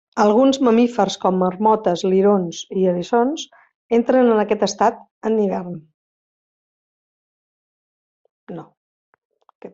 Alguns mamífers com marmotes, lirons i eriçons entren en aquest estat en hivern.